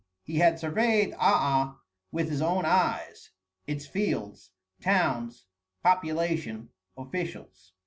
He had surveyed Aa with his own eyes, its fields, towns, population, officials.